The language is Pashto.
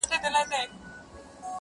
تښتولی له شته منه یې آرام وو -